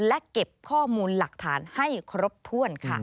และเก็บข้อมูลหลักฐานให้ครบถ้วนค่ะ